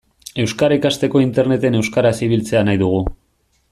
Euskara ikasteko Interneten euskaraz ibiltzea nahi dugu.